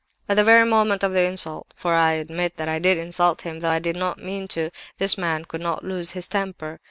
At the very moment of the insult (for I admit that I did insult him, though I did not mean to), this man could not lose his temper.